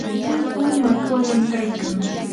punkuu makwanam kaykan.